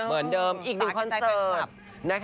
เหมือนเดิมอีก๑คอนเซิร์ตนะคะ